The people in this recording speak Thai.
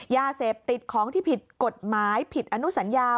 ยาเสพติดของที่ผิดกฎหมายผิดอนุสัญญา